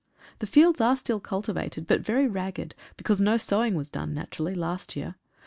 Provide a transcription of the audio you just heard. The fields are still cultivated, but very ragged, because no sowing was done, naturally, last year.